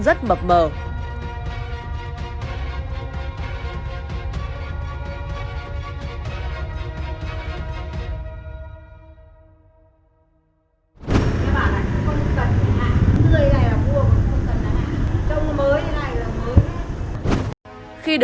việt nam bán hết